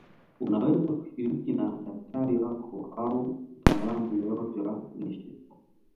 Unaweza kushirikiana na daktari wako au na mtaalamu yoyote wa lishe